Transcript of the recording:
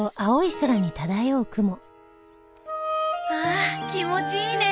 あ気持ちいいね。